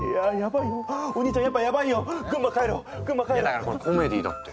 だからこれコメディーだって。